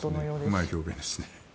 うまい表現ですね。